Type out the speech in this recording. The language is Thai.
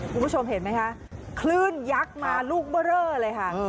คุณผู้ชมเห็นไหมคะคลื่นยักษ์มาลูกเบอร์เรอเลยค่ะ